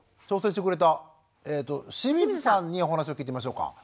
挑戦してくれた清水さんにお話を聞いてみましょうか。